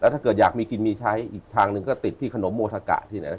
ถ้าเกิดอยากมีกินมีใช้อีกทางหนึ่งก็ติดที่ขนมโมทะกะที่ไหน